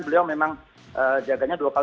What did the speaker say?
beliau memang jaga jadwal